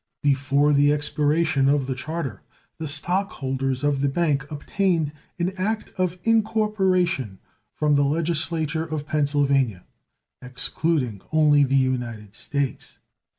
Before the expiration of the charter the stock holders of the bank obtained an act of incorporation from the legislature of Pennsylvania, excluding only the United States.